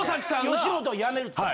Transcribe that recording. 吉本辞めるって？